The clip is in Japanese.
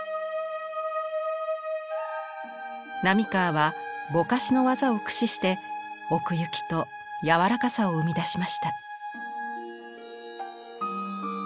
濤川はぼかしの技を駆使して奥行きと柔らかさを生み出しました。